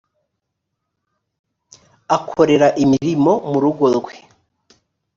akorera imirimo murugorwe.